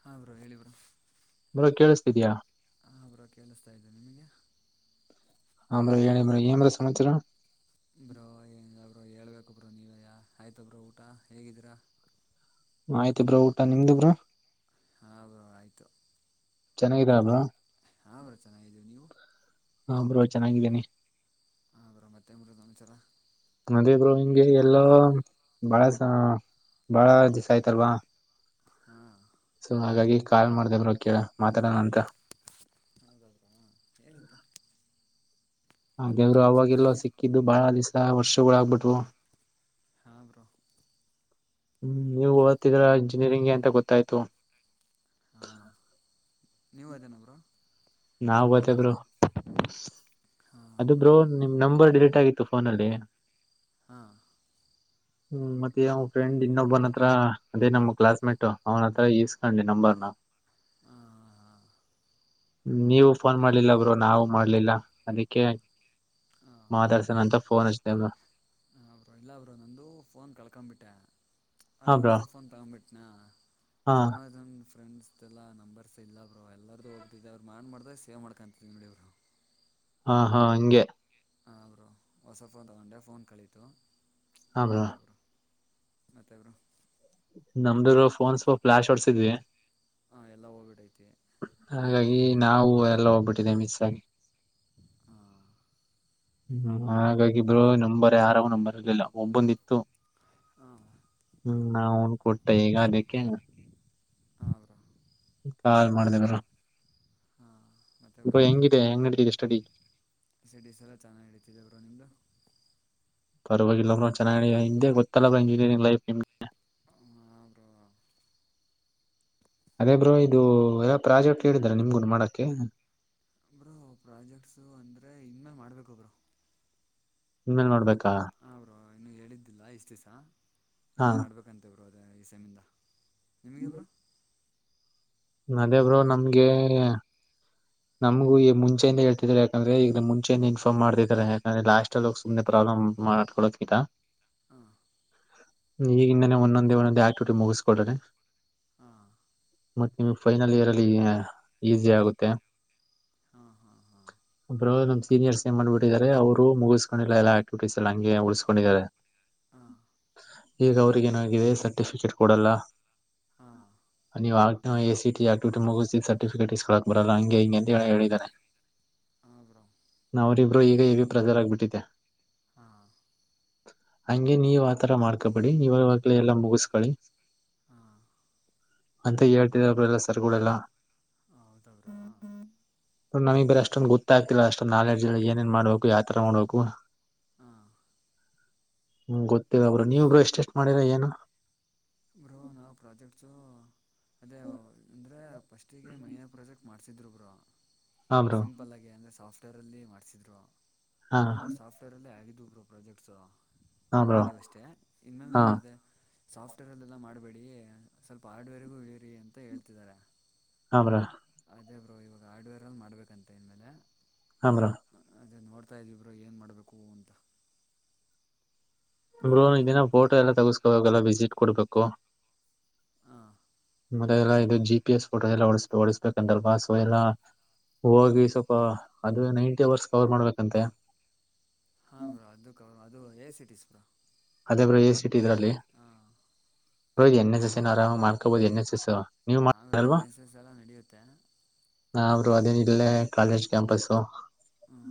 ಹ ಬ್ರೋ ಹೇಳಿ ಬ್ರಾ ಕೇಳಿಸ್ತಿದಯಾ ಹಾಂ ಹಬರಾ ಕೇಳಿಸ್ತಾ ಇದ್ದೆ ನಿಮಗೆ ಹಮ್ರ ಹೇಳಿರ ಏನ್್ರ ಸಮಾಚಾರ ಬ್ರೋ ಏ ಬ್ರೋ ಹೇಳ್ಬೇಕು ಬ್ರೋ ನೀವ ಆಯ್ತ ಬ್ರೋ ಊಟ ಹೇಗಿದ್ದೀರಾ ಆಯ್ತು ಬ್ರಾ ಊಟ ನಿಮ್ದು ಬ್ರಾ ಹೌದು ಆಯ್ತು ಚೆನ್ನಾಗಿದ ಅದು ಹಾ ಬರ ಚೆನ್ನಾಗಿದ್ದೀವಿ ನೀವು ಹಾ ಬ್ರೋ ಚೆನ್ನಾಗಿದ್ದೇನಿ ಹದರ ಮತ್ತೆ ಮೂರುದನುಚರ ಅಂದ ಇಬ್ರು ಹಿಂಗೆ ಎಲ್ಲೋ ಬಾಳ ಬಾಳ ದಿವಸ ಆಯ್ತಲ್ವಾ ಹಾ ಸೊ ಹಾಗಾಗಿ ಕಾಲ್ ಮಾಡ್ದಬ್ರ ಕೇಳ ಮಾತಾಡೋಣ ಅಂತ ಹೌದೌದ ಹೇಳಿವರು ಹಾಗ ದೇವರು ಅವಾಗೆಲ್ಲೋ ಸಿಕ್ಕಿದ್ದು ಬಾಳ ದಿವಸ ವರ್ಷಗಳ ಆಗ್ಬಿಟ್ವು ಹಾ ಬ್ರೋ ಹ್ಮ ನೀವು ಓಡತಿದ್ರ ಇಂಜಿನಿಯರಿಂಗ್ಗೆ ಅಂತ ಗೊತ್ತಾಯ್ತು ಕ ನೀವ ಅದೇನ ಬ್ರೋ ನಾವ ಅದೇ ಬ್ರೋ ಅದು ಬ್ರೋ ನಿಮ್ ನಂಬರ್ ಡಿಲೀಟ್ ಆಗಿತ್ತು ಫೋನಲ್ಲಿ ಹಾ ಹ್ಮ್ ಮತ್ತೆ ಯಾವ್ ಫ್ರೆಂಡ್ ಇನ್ನೊಬ್ಬನ ಹತ್ರ ಅದೇ ನಮ್ಮ್ ಕ್ಲಾಸ್ ಮೇಟ್ ಅವನ ಹತ್ರ ಇಸ್ಕೊಂಡಿ ನಂಬರ್ನ ಹಾಂ ನೀವು ಫೋನ್ ಮಾಡ್ಲಿಲ್ಲಬ್ರು ನಾವು ಮಾಡ್ಲಿಲ್ಲ ಅದಕ್ಕೆ ಮಾತಾಡ್ಸನೆ ಅಂತಫೋನ್ ಹಚ್ದೆ ಹ ಅವರು ಇಲ್ಲಬ್ರು ನಂದು ಫೋನ್ ಕಳ್ಕೊಬಿಟ್ಟೆ ಹಾ ಅದು ಬ್ರೋ ಹೊಸ ಫೋನ್ ತಗೊಬಿಟ್ಟನಾ ಹಾ ಸುಮಾರುದು ಫ್ರೆಂಡ್ಸ್ ಎಲ್ಲ ನಂಬರ್ಸ್ ಇಲ್ಲ ಅವರು ಎಲ್ಲಾರ್ದೂ ಹೋಗತಿದಿದ್ದೆ ಅವರು ಮಾಡ್ದ್ರ ಸೇವ್ಕೊಂತತಿದ ನಿಡಿ ಅವರು ಹಾ ಹಾ ಹಂಗೆ ಹರು ಹೊಸ ಫೋನ್ ತಗೊಂಡೆ ಫೋನ್ ಕಲಿತು ಹದ ಮತ್ತೆ ಬ್ರೋ ನಮ್ದರು ಫೋನ್ ಸ್ ಫ್ಲಾಶ್ ಔಟ್ಸ್ ಇದ್ವಿ ಹಾಂ ಎಲ್ಲ ಹೋಗ್ಬಿಟ್ಟೈತಿ ಹಾಗಾಗಿ ನಾವು ಎಲ್ಲ ಹೋಗ್ಬಿಟ್ಟಿದೆ ಮಿಸ್ ಆಗಿ ಹಾಂ ಹ್ಮ್ ಹಾಗಾಗಿ ಬ್ರೋ ನಂಬರ್ ಯಾರಗ ನಂಬರ್ ಇರ್ಲಿಲ್ಲ ಒಬ್ಬೊಂದಿತ್ತು ಹಾಂ ಹ್ಮ್ ನಾನ್ ಕೊಟ್ಟ ಈಗ ಅದಕ್ಕೆ ಆಗ್ರ ಕ ಮಾಡ್ದವ್ರ ಮತ್ತೆ ಬ್ರೋ ಹೆಂಗಿದೆ ಹೆಂಗ್ ನಡೀತಿದೆ ಸ್ಟೆಡಿ ಸೆಡಿ ಸಲ ಚೆನ್ನಾಗಿ ಹಡತಿದ ಅವರು ನಿಮ್ದು ಪರ್ವಾಗಿಲ್ಲ್ರ ಬ್ರೋ ಚೆನ್ನ ಹಿಂದೆ ಗೊತ್ತಲ್ಲ ಇಂಜಿನಿಯರಿಂಗ್ ಲೈಫ್ ನಿಮಗೆ ಆದು ಅದೇ ಬ್ರೋ ಇದು ಯಾವ ಪ್ರಾಜೆಕ್ಟ್ ಹೇಳಿದ್ರ ನಿಮ್ಗು ಮಾಡಕ್ಕೆ ಬ್ರು ಪ್ರಾಜೆಕ್ಟ್ಸು ಅಂದರೆ ಇನ್ನೇ ಮಾಡ್ಬೇಕೊಬ್ರು ನಿಮ್ಮೇಲೆ ನೋಡ್ಬೇಕು ಹರು ಇನ್ನು ಹೇಳಿದ್ದಿಲ್ಲ ಇಷ್ಟು ದಿವ್ಸ ಹಾ ಇನ್ನು ಮಾಡ್ಬೇಕಂತೇ ಬ ಅದ ಈ ಸಮಿಂದ ನಿಮಗೆಬರಾ [inaudible] [unintelligible] ಅದೇಬ್ರೋ ನಮ್ಗೆ, ನಮಗು ಈ ಮುಂಚೆನೇ ಹೇಳ್ತಿದ್ದಾರೆ. ಯಾಕಂದ್ರೆ ಈಗ ಮುಂಚೆನೆ ಇನ್ಫಾಮ್ರ್ತಿದಾರೆ ಯಾಕಂದ್ರೆ ಲಾಸ್ಟ್ ಅಲ್ಲಿಗ ಸುಮನೆ ಪ್ರಾಬ್ಲ್ ಹ ಮಾಡಕೊಡಕತಾ [unintelligible] ಹಾ [inaudible] ಈಗ ಇಂದಾನೆ ಒಂದೊಂದೇ ಒಂದೊಂದು ಆಕ್ಟಿವಿಟಿ ಮುಗಿಸ್ಕೊಡ್ರನೆ, ಹಾಂ ಮತ್ತ ನಿಮಗ್ ಫೈನಲ್ ಇಯರ್ ಅಲ್ಲಿ ಈಸಿ ಆಗುತ್ತೆಹ ಹಾಂ ಹಾಂ ಹಾಂ ಅವರು ನಮ್ ಸೀನಿಯರ್ಸ್ ಏ ಮಾಡ್ಬಿಟ್ಟಿದ್ದಾರೆ. ಅವರು ಮುಗಿಸ್ಕೊಂಡಿಲ್ಲ ಎಲ್ಲ ಆಕ್ಟಿವಿಟೀಸ್ಲ್ಲಿ ಹಂಗೆ ಉಳಿಸಸ್ಕೊಂಡಿದ್ದಾರೆ. ಹಾಂ ಈಗ ಅವರಿಗೇನಾಗಿದೆ ಸರ್ಟಿಫಿಕೇಟ್ ಕೊಡಲ್ಲ. ಹಾಂ ನೀವು ಎ, ಸಿಟಿ ಆಕ್ಟಿವಿಟಿ ಮುಗಿಸ ಸರ್ಟಿಫಿಕೇಟ್ ಇಸ್ಕಕ್ ಬರಲ್ಲ. ಹಂಗೆ ಹಿಂಗೆಂತ ಹೇಳ ಹೇಳಿದಾನ [unintelligible] ಹಾಂ ಬ್ರೋ ನ ಅವರಿಬ್ಬರು ಈಗ ಇವಿ ಪ್ರೆಜರ್ ಆಗಬಿಟ್ಟಿದ್ದೆ. ಹಾಂ ಹಂಗೆ ನೀವ್ ಆತರ ಮಾಡ್ಕಬೇಡಿ ಇವಾಗೆಲ ಎಲ್ಲಾ ಮುಗಸ್ ಹಾಂ ಅಂತ ಹೇಳ್ತಿದರು ಎಲ್ಲ ಸರ್ಗಳೆಲ್ಲ. ಹ ಹೌದೌದು. [unintelligible] ನಮಗ್ಇ ಬ್ರ ಅಷ್ಟೊಂದು ಗೊತ್ತಾಗ್ತಿಲ್ಲ. ಅಷ್ಟೊ ನಾಲೆಜ್ ಇಲ್ಲ ಏನೇಏನ್ ಮಾಡ್ಬೇಕು ಯಾತರ ಮಾಡ್ಬೇಕು. ಹಾಂ ಹ್ಮ್, ಗೊತ್ತಿಲ್ಲಬ್ರೋ, ನೀವಿಬ್ರು ಎಷ್ಟೆಸ್ಟ್ ಮಾಡಿರ ಏನು. ಬ್ರೋ ನಾವು ಪ್ರಾಜೆಕ್ಟ್ಸ ಅದೇ ಅಂದ್ರೆ ಫಸ್ಟಿಗೆ ಮಹನ ಪ್ರಾಜೆಕ್ಟ್. [unintelligible] ಮಾಡ್ಸಿದ್ರು ಬ್ರೋ, ಹಾ ಬ್ರೋ ಸಿಂಪಲ್ಲಾಗಿ ಅಂದರೆ ಸಾಫ್ಟ್ವೇರಲ್ಲಿ ಮಾಡ್ಸಿದ್ರು. ಹಾ ನಮ್ದು ಸಾಫ್ಟ್ವೇರ್ ಅಲ್ಲೇ ಆಗಿದು ಬ್ರೋ ಪ್ರಾಜೆಕ್ಟ್ಸ್. ಹಾ ಒಂದ್ ಬ್ರೋ ಮಾಡಿವಿ ಅಷ್ಟೇ ಇನ್ಮೇಲೆ ಹಾ ನಿಗ ಅದೇ ಸಾಫ್ಟ್ವೇರ್ ಅಲ್ಲ ಎಲ್ಲ ಮಾಡ್ಬೇ ಸ್ವಲ್ಪ ಹಾರ್ಡ್ ವೇರ್ಗೂ ಇಳಿರಿ ಅಂತ ಹೇಳ್ತಿದ್ದಾರೆ. ಹಾ, ಬ್ರೋ ಅದೇ ಬ್ರೋ ಇವಾಗ ಹಾರ್ಡ್ವೇರಲ್ಲಿ ಮಾಡ್ಬೇಕಂತ ಇನ್ಮೇಲೆ. - ಹಾ, ಬ್ರೋ ಅದೇ ನೋಡ್ತಾಯ ಇದೀಬ್ರೋಏನು ಮಾಡಬೇಕು ಅಂತ ಬ್ರೋ, ನ್ ಇದಿನ ಫೋಟೋ ಎಲ್ಲ ತಗಸ್ಕೋಬೇಕಲ್ಲ ವಿಸಿಟ್ ಕೊಡ್ಬೇಕು. - ಹಾಂ ಮತ್ತೆ ಎಲ್ಲಾ ಇದು ಜಿ, ಪಿ, ಎಸ್ ಫೋಟೋ ಎಲ್ಲ ಓಡ ಓಡಿಸಬೇಕ ಅಂತಲ್ವಾ ಸೊ [unintelligible] ಎಲ್ಲಾ ಹಾಂ ಹೋಗಿ ಸ್ವಲ್ಪ ಅದು ನೈಂಟಿ ಅವರ್ಸ್ ಕವರ್ ಮಾಡ್ಬೇಕಂತೆ. ಹಾ, ಬ್ರೋ ಅದು- ಅದು ಎ ಸಿಟಿಸಸ್ ಬ್ರೋ ಅದೇ ಬ್ರೋ ಎ ಸಿಟಿ ಇದ್ರಲ್ಲಿ ಹಾಂ ಬ್ರೋ, ಎನ್, ಎಸ್ ಸ್ಆರಾಮ್ ಮಾಡ್ಕಬೋದು [unintelligible] ಹಾ, ಬ್ರೋ ಎನ್, ಎಸ್, ಎಸ್ ಎಲ್ಲ ನಡೆಯುತ್ತೆ. ಅದೇ ಇಲ್ಲೇ ಕಾಲೇಜ್ ಕ್ಯಾಂಪಸ್ ಹ್ಞೂ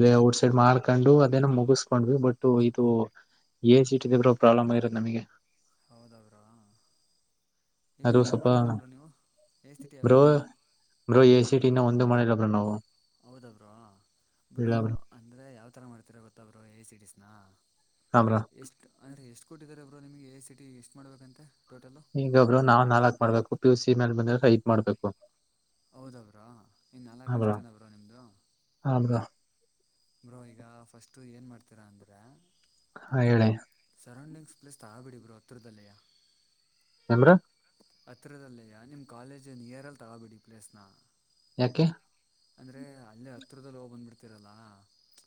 ಡ್ ಮಾಡ್ಕೊಂಡು ಅದೇನು ಮುಗಿಸಕೊಂಡ್ವಿ ಬಟ್ ಇದು ಎ ಸಿ ಇಟ್ ಇದೀರೋ ಪ್ರಾಬ್ಲ್ ಆಗಿರೋದನಮಗೆ. ಹೌದ ಅವ್ರಾ. [unintelligible] ಈಗ ಅದು ಯಾವ್ಯ ಸ್ವಲ್ಪ ಮಾಡೀರ ಬ್ರೋ, ನೀವು ಎ ಸ್ಥಿ [unintelligible] ತಿ ಯಾವ್ಯ ಮಾಡೀರಾ ಸಿಟಿನ ಒಂದು ಮಾಡಿಲ್ಲಬ್ರೋ, ನಾವು ಹೌದಾ ಬ್ರೋ ಇಲ್ಲ ಬ್ರೋ ಮಾಡ್ತಾರೆ ಗೊತ್ತಾಬ್ರೋ, ಎ ಸಿಟಿಸ್ ನ ಹಾ ಬ್ರೋ ಎಷ್ಟ್ ಅಂದ್ರೆ ಎಷ್ಟ್ ಕೊಟ್ಟಿದ್ದಾರೆ ಅವ ನಿಮಗೆ ಎ ಸಿಟಿ ಎಷ್ಟು ಮಾಡಬೇಕಂತೆ, ಟೋಟಲು ಈಗಬ್ರೋ, ನಾವ್ ನಾಲಕ್ ಮಾಡ್ಬೇಕು ಪಿ, ಯು, ಸಿ ಮೇಲ್ ಬಂದ ಹೈಟ್ ಮಾಡ್ಬೇಕು. - ಹೌದ, ಬ್ರೋ ಇನ್ನು ನಾಲ್ಷ್ಟನವರಾ ನಿಮ್ಮದು. ಹಾ ಬ್ರೋ ಬ್ರೋ ಈಗ ಫಸ್ಟ್ ಏನ್ ಮಾಡ್ತೀರಾ ಅಂದ್ರ ಹಾ, ಹೇಳಿ ಸರೌಂಡಿಂಗ್ಸ್ ಪ್ಲೇಸ್ ತಾಬಿಡಿ ಬ್ರೋ ಹತ್ತಿರದಲ್ಲಿ. ಕಮರ. [inaudible] ಹತ್ತಿರದಲ್ಲಯ್ಯ ನಿಮ್ಮ ಕಾಲೇಜು ನಿಯರಲ್ಲಿ ತಗೋಬೇಡಿ ಪ್ಲೇಸ್ನಾ. ಯಾಕೆ ಅಂದ್ರೆ ಅಲ್ಲೇ ಹತ್ರಿರದಲ್ಲಿ ಹೋಗ್ ಬಂದ್ ಬಿಡ್ತಿರಲ್ಲ.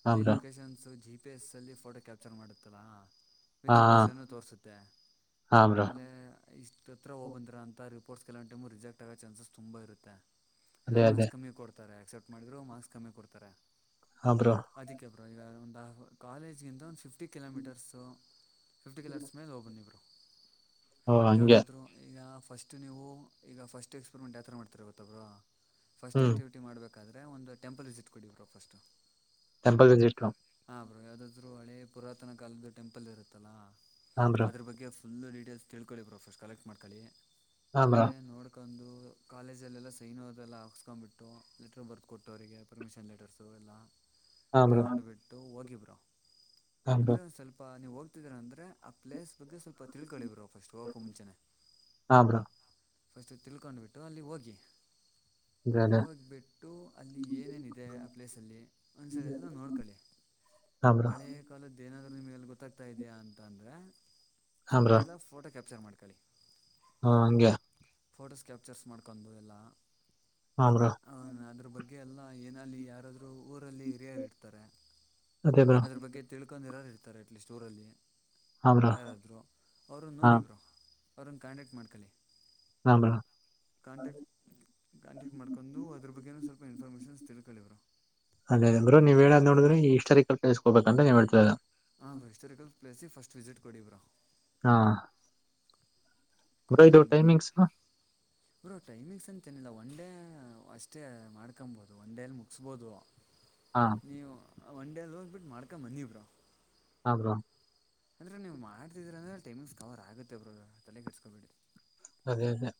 ಹಾ ಅಲ್ಲಿ ಬ್ರೋ ಲೊಕೇಶನ್ಸು ಜಿ, ಪಿ ಎಸ್ಸಲ್ಲಿ ಫೋಟೋ ಕ್ಯಾಪ್ಚರ್ ಮಾಡತ್ತಲಾ ಹಾ ವಿತ್ ಲೊಕೇಶನ್ನು ತೋರಿಸುತ್ತೆ. ಹಾ ಬ್ರೋ ಆಮೇಲೆ ಇಷ್ಟ ಹತ್ರ ಹೋಗಬಂದೆ ಅ ರಿಪೋಟ್ಸ್ಲವೊ ಟೈಮು ರಿಜೆಕ್ ಆಗೋ ಚಾನ್ಸಸ್ ತುಂಬ ಇರುತ್ತೆ. ಇಲ್ಲ ಅದೇ ಮಾಸ್ ಅದೇ ಕಮ್ಮಿ ಕೊಡ್ತಾರೆ ಆಕ್ಸೆಪ್ಟ್ ಮಾಡಿದರೂ ಮಾಕ್ಸ್ ಕಮ್ಮಿ ಕೊಡ್ತಾರೆ. ಹಾ ಬ್ರೋ ಅದಕ್ಕೆ ಬರೋ ಈಗ ಒಂದು ಕಾಲೇಜ್ಗಿಂತ ಒಂದು ಫಿಫ್ಟಿ ಕಿಲೋಮೀಟರ್ಸು. ಫಿ್ಟಿಲರ್ಸ್ೇಲೆ ಓಬ ಇಬರು. ಓ ಹಂಗೆ ಯಾವು್ದಾದ್ೂ ಈಗ ಫಸ್ಟು ನೀವು ಈಗ ಫಸ್ಟ್ ಎಕ್ಸ್ಪೆರಿಮೆಂಟ್ ಯಾವ ಥರ ಮಾಡ್ತೀರ ಗೊತ್ತಬರಾ. ಫಸ್ಟ್ ಹ್ಮ್ ಆ್ಯಕ್ಟಿವಿಟಿ ಮಾಡ್ಬೇಕಾದ್ರೆ ಒಂದು ಟೆಂಪಲ್ ವಿಸಿಟ್ ಕೊಡಿದ್ರು ಫಸ್ಟು. ಟೆಂಪಲವಿಸಿಟ ಲಾವ್ ಹಾ ಬರೋ ಯಾವುದಾದ್ರೂ ಹಳೇ ಪುರಾತನ ಕಾಲದ್ದ ಟೆಂಪಲ್ ಇರುತ್ತಲ್ಲ ಹಾ ಬ್ರೋ ಅದ್ರ ಬಗ್ಗೆ. ಫುಲ್ಲು ಡೀಟೇಲ್ಸ್ ತಿಳ್ಕೊಳ್ಳಿ ಪ್ರೊಫೆಸ್ ಕಲೆಕ್ಟ್ ಮಾಡ್ಕೊಳ್ಳಿ ಹಾ ಬ್ರೋ ಆಮೇಲೆ ನೋಡ್ಕು. ಕಾಲೇಜಲ್ಲೆಲ್ಲ ಸೈನ್ೋದೆಲ್ಲ ಹಾಕ್ಸ್ಕೊ್ಂಬಿಟ್ಟು ಲೆಟ್ರ ಆಫ್ರ್ತ್ ಕೊಟ್ಟು ಅವರಿಗೆ ಪರ್ಮಿಷನ್ ಲೆಟರ್ಸು ಎಲ್ಲ. ಹಾ ಬ್ರೋ ತಗೊಂಡು ಬಿಟ್ಟು ಹೋಗಿಬರು ಹಾ ಬ್ರೋ ಅಂದ್ರೆ ಸ್ವಲ್ಪ. ನೀವು ಹೋಗ್ತಿದ್ದೀರ ಅಂದ್ರರೆ ಆ ಪ್ಲೇಸ್. ಬಗ್ಗೆ ಸ್ವಲ್ಪ ತಿಳ್ಕೊಳ್ಳಿ ಬರು ಫಸ್ಟ್ ಹೋಗಕೋ ಮುಂಚೆ. ಹಾ ಬ್ರೋ ಫಸ್ಟು ತಿಳ್ಕೊಂಡುಬಿಟ್ಟು ಅಲ್ಲಿ ಹೋಗಿ. ಅದೇ ಅದೇ ಹೋಗ್ಬಿಟ್ಟು ಅಲ್ಲಿ ಏನೇನಿದೆ ಆ ಪ್ಲೇಸಲ್ಲಿ ಒಂದ್ಸರಿ ಎಲ್ಲ ನೋಡ್ಕೊಳ್ಳಿ ಹಾ ಬ್ರೋ ಹಳೆ ಕಾಲದ್ದ ಏನಾದರೂ ನಿಮಗೆಲ್ಲಿ ಗೊತ್ತಾಗ್ತಾ ಇದೆಯಾ ಅಂತ ಅಂದರೆ ಹಾ ಬ್ರೋ ಅದೆಲ್ಲ ಫೋಟೋ ಕ್ಯಾಪ್ಚರ್ ಮಾಡ್ಕೊಳ್ಳಿ ಹಾ ಹಂಗೆ ಫೋಟೋಸ್ ಕ್ಯಾಪ್ಚರ್ಸ್ ಮಾಡ್ಕೊಂಡು ಎಲ್ಲ ಹಾ ಬ್ರೋ ಅದ್ರ ಬಗ್ಗೆ ಹಾಗಗೆ ಅಲ್ಲ ಏನಲ್ಲಿ ಯಾರಾದ್ರು ಊರಲ್ಲಿ ಹಿರಿಯರು ಇರ್ತಾರೆ ಅದೇ ಬ್ರೋ ಅದ್ರ ಬಗ್ಗೆ ತಿಳ್ಕೊಂಡಿರೋರು ಇರ್ತಾರೆ ಅಟ್ಲೀಸ್ಟ್ ಊರಲ್ಲಿ ಹಾ ಬ್ರೋ ಯಾರಾದರು ಅವರುನ್ನ ಹಾ ನೋಡಿ ಬರು ಅವ್ರನ್ನ ಕಾಂಟ್ಯಾಕ್ಟ್ ಮಾಡ್ಕೊಳ್ಳಿ ಹಾ ಬ್ರೋ ಕಾಂಟ್ಯಾಕ್ಟ್ ಕಾಂಟೆಕ್ಟ್ ಮಾಡ್ಕೊಂಡು ಅದ್ರ ಬಗ್ಗೆ ಸ್ವಲ್ಪ ಇನ್ಫಾರ್ಮೇೇಶನ್ ತಿಳಕೋಳಿ ಬ್ರೋ ಅದೇ ಅ ಬ್ರೋ ನೀವ ಹೇಳದ್ ನೋಡ್ರ ಈ ಹಿಸ್ಟಾರಿಕಲ್ ಪ್ಲೇಸ್ ಹೋಗಬೇಕ ಅಂತ ನೀವ ಹೇಳ್ತದದು ಹಾ ಹಿಸ್ಟೋಾರಿಕಲ್ ಪ್ಲೇಸಿ ಫಸ್ಟ್ ವಿಸಿಟ್ ಕೊಡವ್ರ ಹಾ ಬ್ರೋ ಇದು ಕೊಟ್ಟಾದ್ಮೇಲೆ ಟೈಮಿಂಗ್ಸ್ ಹರೋ ಟೈಮಿಂಗ್ಸ್ ಅಂತನಿಲ್ಲ ಒನ್ ಡೇ ಅಷ್ಟೇ ಮಾಡ್ಕೊಬೋದು ಒನ್ ಡೇಲಿ ಮುಗಿಸ್ಬೋದು ಹಾ ನೀವು ಒನ್ ೇ ಅಲ್ಲಿೋಂದ್ ಬಿಿಟ್ಟ ಮಾಡ್ಕ ಮಂದಿಬ್ರಾ ಹಬ್ರೋ ಅಂದರೆೆ ನೀವು ಮಾಡ್ತಿದ್ರ ಅಂದ್ರೆ ಟೈಮಿಂಗ್ಸ್ ಕವರ್ ಆಗುತ್ತೆಬ್ರು ತಲೆಗೆ ಕೆಟ್ಸ್ಕೊಬಿಡಿ್ರರಿ ಅದೇ ಅದೇ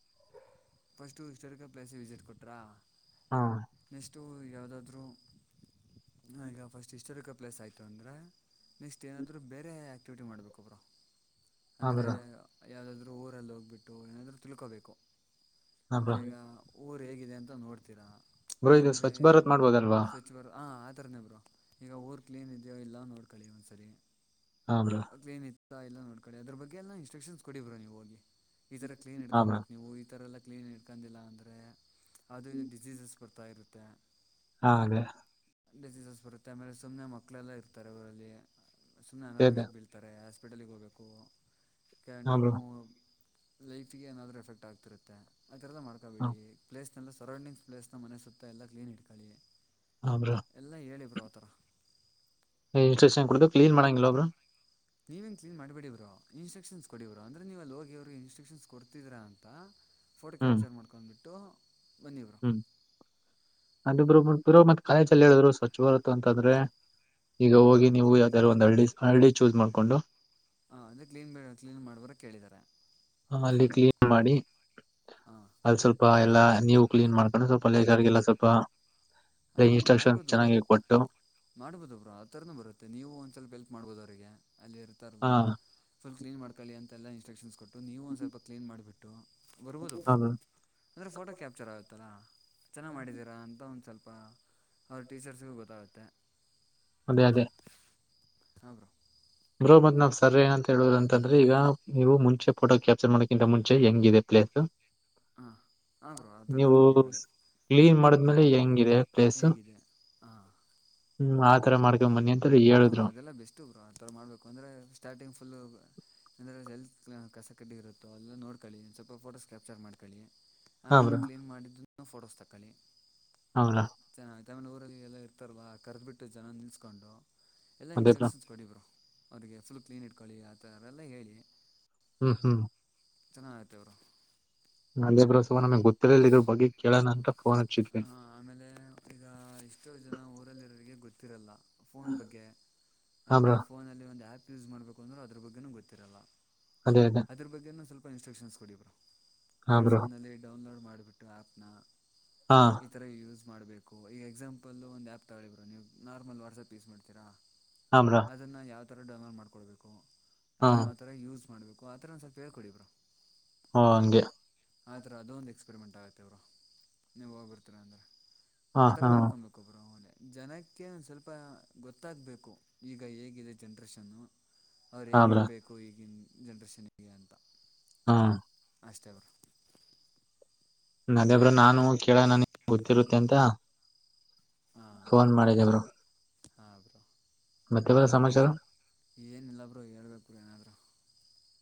ಫಸ್ಟ್್ಟೋ ಪ್ಲೇಸ್ ವಿಸಿಟ್ ಕೊಟ್ರಾ ಹಾ ಅಷ್ಟು ಯಾವುದಾದ್ೂ ಈಗ ಫಸ್ಟ್ ಹಿಸ್ಟೋಾರಿಕಲ್ ಪ್ಲೇಸ್ ಆಯಿತು ಅಂದರೆ ನೆಕ್ಸ್ಟ್ ಏನಾದರೂ ಬೇರೆ ಆ್ಯಕ್ಟಿವಿಟಿ ಮಾಡ್ಬೇಕಬ್ರಾ ಹಾ ಅಂದ್ರೆ ಬ್ರೋ ಯಾವ್ದಾದ್ರು ಊರಲ್ಲಿ ಹೋಗ್ಬಿಟ್ಟು ಏನಾದ್ರು ತಿಳ್ಕೋಬೇಕು ಹಾ ಅಂದ್ರೆ ಬ್ರೋ ಈಗ ಊರು ಹೇಗಿದೆ ಅಂತ ನೋಡ್ತೀರಾ ಗರು ಇದು ಸ್ವಚ್ಛ ಭಾರತ್ ಮಾಡ್ಬೋದಲ್ವಾ ಅಂತರನೇಬರು ಈಗ ಊರು ಕ್ಲೀನ್ ಇದೆಯೋ ಇಲ್ಲ ನೋಡ್ಕೊಳ್ಳಿ ಒಂದ್ಸರಿ ಹಮ್ರ ಎಲ್ಲಾ ನೋಡ್ೊಳ್ಳಡಿ ಅದ್ರ ಬಗ್ಗೆ ಎಲ್ಲ ಇನ್ಸ್ಟ್ರಕ್ಷನ್ಸ್ ಕೊಡಿಬ್ರ ನೀವು ಹಿ ಈ ತರ ಕ್ಲನ್ ಹಾ ಬ್ರೋ ಇಡ್ಕೊಂಬಬೇಕು ನೀವು ಈ ತರ ಎಲ್ಲಾ ಕ್ಲೀನ್ ಇಟ್ಕೊಂಡಿಲ್ಲ ಅಂದರೆ ಅದುದು ಡಿಸೀಸಸ್ ಬರ್ತಾ ಇರುತ್ತೆ ಹಾದೇ ಡಿಸೀಸಸ್ ಬರುತ್ತೆ ಆಮೇಲೆ ಸುಮ್ಮ್ನೆ ಮಕ್ಕಳೆಲ್ಲ ಇರ್ತಾರೆ ಅವರಲ್ಲಿ ಸುಮ್ಮ್ನೆ ಅದೇ ಅನಾರೋಗ್ಯ ಅದೇ ಹೇಳ್ತಾರೆ ಹಾಸ್ಪಿಟಲಿಗೆ ಹೋಗಬೇಕು ಕೆವ್ ಹಾ ಬ್ರೋ ಟೈಮು ಲೈಫಗೆ ಏನಾದ್ರು ಎಫೆಕ್ಟ್ ಆಗ್ತಿರುತ್ತೆ ಆರದ ಹಾ ಮಾಡ್ಕೋಬೇಡಿ ಪ್ಲೇಸ್ ಸರೌಂಡಿಂಗ್ಸ್ ಪ್ಲೇಸ್ ನ ಮನೆ ಸುತ್ತ ಎಲ್ಲ ಕ್ಲೀನ್ ಇಟ್ಕೊಳ್ಳಿ ಹಾ ಬ್ರೋ ಎಲ್ಲ ಹೇಳಿ ಪ್ರಾಬ್ [inaudible] ಇನ್ಸನ್ಡತುಲನ್ ಮಾಡಂಗಿಲ್ಲ ಒಬ್ರು ನೀವೇನು ಕ್ಲೀನ್ ಮಾಡ್ಬೇಡಿವರು ಇನ್ಸ್ಟ್ರಕ್ಷನ್ಸ್ ಕೊಡವರು ಅಂದ್ರೆ ನೀವು ಅಲ್ಲಿ ಹೋಗಿವ್ರಿಗೆ ಇನ್ಸಕ್ಷನ್ಸ್ ಕೊಡ್ತಿದೀ್ರಾ ಅಂತ ಫೋಟೋ ಹ್ಮ್ ಕ್ಯಾಪ್ಚರ್ ಮಾಡ್ಕ್ಬಿಟ್ಟು ಬನ್ನಿವರು ನಂದಿಬ್ರುಬರು ಮತ್ತತ್ ಕಾಲೇಜಲ್ಲಿ ಹೇಳಿದ್ರು ಸ್ವಚ್ಛ ಬರುತು ಅಂತಂದ್ರೆ ಈಗ ಹೋಗಿ ಹಾಂ ನೀವು ಯಾವ್ದಾದಾರು ಒಂದ್ ಹಳ್ಳಿ ಹಳ್ಳಿ ಚೂಸ್ ಮಾಡ್ಕೊಂಡು ಹ ಅದೇ ಕ್ಲೀನ್ ಕ್ಲೀನ್ ಮಾಡ್ಬರಕ್ ಕೇಳಿದಿದ್ದಾರೆ ಹ ಅಲ್ಲಿ ಕ್ಲೀನ್ ಮಾಡಿ ಹಾಂ ಅಲ್ಲಿ ಸ್ವಲ್ಪ ಎಲ್ಲಾ ನೀವು ಕ್ಲೀನ್ ಮಾಡ್ಕೊಂಡು ಸ್ವಲ್ಪ ಲೇಗಾರ್ಗೆಲ್ಲ ಸ್ವಲ್ಪ ಹ ಬ್ರ ಇನ್ಸ್ಟ್ರಕ್ಷನ್ ಮಾಡ್ಬೋದು ಬ್ರ ಚೆನ್ನಾಗಿ ಕೊಟ್ಟು ಮಾಡ್ಬೋದು ಬ್ರೋ ಆತರನ ಬರುತ್ತೆ ನೀವು ಒಂದ್ ಸ್ವಲ್ಪ ಎಲ್ ಮಾಡ್ಬೋದು ಅವ್ರರಿಗೆ ಅಲ್ಲಿ ಇರ್ತಾರಲ್ಲ ಹಾ ಫುಲ್ ಕ್ಲೀನ್ ಮಾಡ್ಕೊಳ್ಳಿ ಅಂತೆ ಎಲ್ಲ ಇನ್ಸಕ್ಷನ್ಸ್ ಕೊಟ್ಟ ಅ ನೀವು ಒಂದು ಸ್ವಲ್ಪ ಕ್ಲೀನ್ ಮಾಡಿಬಿಟ್ಟು ಬರ್ಬೋದಪ್ಪ ಹಾ ಮ್ಯಾಮ್ ಅಂದರೆ ಫೋಟೋ ಕ್ಯಾಪ್ಚರ್ ಆಗುತ್ತಲ್ಲ ಚೆನ್ನಾಗಿ ಮಾಡಿದ್ದೀರಾ ಅಂತ ಒಂದು ಸ್ವಲ್ಪ ಅವ್ರ ಟೀಚರ್ಸಿಗೂ ಗೊತ್ತಾಗುತ್ತೆ ಅದೇ ಅದೇ ಹಬ್ರೋ ಮತ್ ನಾವ್ ಸರ್ ಏನ ಅಂತ ಹೇಳುವುದು ಅಂತಂದ್ರೆ ಈಗ ನೀವು ಮುಂಚೆ ಫೋಟೋ ಕ್ಯಾಪ್ಚರ್ ಮಾಡಕಿಂತ ಮುಂಚೆ ಹೆಂಗ ಇದೆ ಪ್ಲೇಸ್ ಹಾ ಹ ಬೋ ಅತ್ತನ ನೀವು ಕರ್ಮ ಕಳ ಕ್ಲೀನ್ ಮಾಡಿದ್ಮೇಲೆ ಹೆಂಗಿದೆ ಪ್ಲೇಸ್ ಹೇಗಿದೆ ಹಾಂ ಹ್ಮ ಥರ ಮಾಡ್ಕೊಂಡಂಬನ್ನಿ ಅಂತ ಹೇಳಿದ್ರು ಮಾಡ್ಬೇಕು ಅಂದ್ರೆ ಸ್ಟಾರ್ಟಿಂಗ್ ಫುಲ್ ಅಂದ್ರೆ ಎಲ್ ಕಸ ಕಡ್ಡಿ ಇರುತ್ತೋ ಅಲ್ಲ ನೋಕೊಳ್ಳಿ ಒ ಸ್ವಲ್ಪ ಫೋಟೋಸ್ ಕ್ಯಾಪ್ಚರ್ ಮಾಡ್ಕೊಳ್ಳಿ ಆಮೇಲೆ ನೀ ಕ್ಲೀನ್ ಮಾಡಿದ್ದು ಫೋಟೋಸ್ ತಕ್ಕೊಳ್ಳಿ ಹೌದಾ ತಮ್ಮನ ಊರಲ್ಲಿ ಎಲ್ಲ ಇರ್ತಾರಲ್ ಕರೆದಬಿಟ್ಟು ಜನ ನಿಲ್ಲಸ್ಕೊಂಡು ಎಲ್ಲ ಅದೇ ಬ್ರೋ ಇನ್ಸ್ಟ್ರಕ್ಷನ್ಸ್ ಕೊಡಿಬರು ಅವರಿಗೆ ಫುಲ್ ಕ್ಲೀನ್ ಇಟ್ಕೊಳ್ಳಿ ಆ ಥರ ಎಲ್ಲ ಹೇಳಿ ಹ್ಮ್ ಹ್ಮ್ ಚೆನ್ನಾಗಐತೆ ಅವರು ಅ ಬರೋಸ ನಮಗೆ ಗೊತ್ತಿಲ್ಲ ಇದ್ರ ಬಗ್ಗೆ ಕೇಳೋಣ ಅಂತ ಫೋನ್ ಹಚ್ಚಿದ್ವಿ ಹ ಆಮೇಲೆ ಈಗ ಎಷ್ಟೋ ಜನ ಊರಲ್ಲಿರೋರಿಗೆ ಗೊತ್ತಿರಲ್ಲ ಫೋನ್ ಬಗ್ಗೆ ಹಾ ಆಮೇಲೆ ಬ್ರೋ ಫೋನಲ್ಲಿ ಒಂದು ಆ್ಯಪ್ ಯೂಸ್ ಮಾಡ್ಬೇಕು ಅಂದ್ರೆ ಅದ್ರ ಬಗ್ಗೆ ಗೊತ್ತಿರಲ್ಲ ಅದೇ ಅದೇ ಅದ್ರ ಬಗ್ಗೆ ಸ್ವಲ್ಪ ಇನ್ಸ್ಟ್ರಕ್ಷನ್ಸ್ ಕೊಡರು ಹಾ ಅವ್ರ ಬ್ರೋ ಫೋನಲ್ಲಿ ಡೌನ್ಲೋಡ್ ಮಾಡ ಬಿಟ್ಟು ಆಪ್ನ ಹಾ ಇ ತರ ಯೂಸ್ ಮಾಡ್ಬೇಕು ಈಗ ಎಕ್ಸಾಂಪಲ್ ಒಂದ್ ಆಪ್ ತಗಳಿಬ್ರ ನೀವು ನಾರ್ಮಲ್ ವಾಟ್ಸ್ಆಪ್ ಯೂಸ್ ಮಾಡ್ತೀರಾ ಹಾ ಬ್ರೋ ಅದನ್ನು ಯಾವ ಥರ ಡೌನ್ಲೋಡ್ ಮಾಡ್ಕೊಡ್ಬೇಕು ಹಾ ಅದನ್ನ ಯಾವ ಥರ ಯೂಸ್ ಮಾಡ ಮಾಡಬೇಕು ಆ ಥರ ಒಂದು ಸ್ವಲ್ಪ ಹೇಳ್ಡಿಬ್ರಾ ಹಾ ಹಂಗೆ ಆ ಥರ ಅದೊಂದು ಎಕ್ಸ್ಪೆರಿಮೆಂಟ್ ಆಗುತ್ತೆ ಇವರು ನೀವು ಹೋಗಿರ್ತೀರಾ ಅಂದರೆ ಹಾ ಆತರ ಹಾ ಮಾಡ್ಕೊಬೇಕುಬ್ರ ಅವ ಜನಕ್ಕೆ ಒಂದು ಸ್ವಲ್ಪ ಗೊತ್ತಾಗಬೇಕು ಈಗ ಹೇಗಿದೆ ಜನ್ರೇಷನ್ನು ಅವ್ರ ಹಾ ಬ್ರೋ ಹೇಗಿರ್ಬೇಕು ಈಗಿನ ಜನ್ರೇಷನ್ಗೆ ಅಂತ ಹಾ ಅಷ್ಟೇ ಬರ ನದೇಬ್ರ ನಾನು ಕೇಳ ನನ ಗೊತ್ತಿರುತ್ತೆ ಅಂತ ಫೋನ್ ಮಾಡಿದವರು ಹಾ ಬ್ರೋ ಮತ್ತೆ ಬ್ರೋ ಸಮಾಚಾರ ಏನಿಲ್ಲ ಬರು ಹೇಳ್ಬೇಕು ಏನಾದ್ರು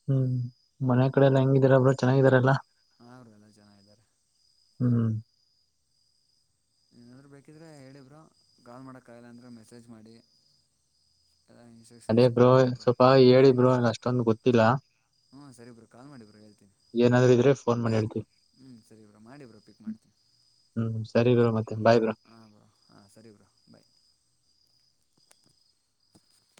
ಹ್ಮ್ ಮನೆ ಕಡೆ ಎಲ್ಲ ಹೆಂಗಿದಾರಬ್ ಚೆನ್ನಾಗಿದಾರಲ್ಲಾ ಅವರು ಎಲ್ಲ ಚೆನ್ನಾರೆ ಹ್ಮ್ ಏನಾದರೂ ಬೇಕಿದರೆೆ ಹೇಳಬರು ಕಾಲ್ ಮಾಡೋಕ್ಕಾಗಲ್ಲ ಅಂದರೆೆ ಮೆಸೇಜ್ ಮಾಡಿ ಎಲ್ಲ ಅದೇ ಇನ್ಸ್ಟ್ರಕ್ಷನ್ಸ್ ಬ್ರೋ ಕೊಡ್ತೀನಿ ಸ್ವಲ್ಪ ಹೇಳಿ ಬ್ರೋ ಅಷ್ಟೊಂದು ಗೊತ್ತಿಲ್ಲ ಹಾಞ ಸರಿ ಬ್ರ ಕಾಲ್ ಮಾಡಿ ಬ್ರ ಹೇಳ್ತೀನಿ ಏನಾದ್ರು ಇದ್ರೆ ಫೋನ್ ಮಾಡಿ ಹೇಳ್ತಿವಿ ಹ್ಮ್ ಸರಿ ಬ್ರಾ ಮಾಡಿಬ್ರಾ ಪಿಕ್ ಮಾಡ್ತೀನಿ ಹ್ಮ್ ಸರಿ ಬ ಮತ್ತೆ ಬಾಯ್ ಬ್ರೋ ಹಾಂ ಬ್ರೋ ಹಾಂ ಸರಿ ಬ್ರೋ ಬಾಯ್